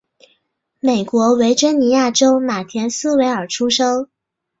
美国维珍尼亚州马田斯维尔出生。